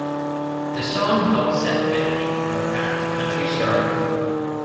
The song helped set Bentley on the path to country stardom.